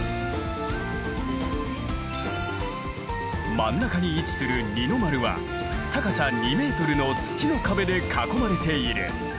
真ん中に位置する二ノ丸は高さ２ｍの土の壁で囲まれている。